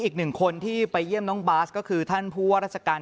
ขอให้น้องเจริญ